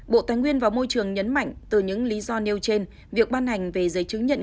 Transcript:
bộ tài nguyên và môi trường nhấn mạnh từ những lý do nêu trên việc ban hành về giấy chứng nhận